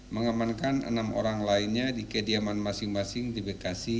mengamankan enam orang lainnya di kediaman masing masing di bekasi